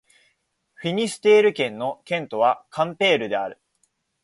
フィニステール県の県都はカンペールである